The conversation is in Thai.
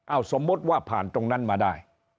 เอาสมมุติว่าผ่านตรงนั้นมาได้